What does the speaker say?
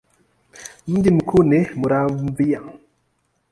Mji mkuu ni Muramvya.